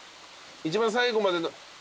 一番最後まで。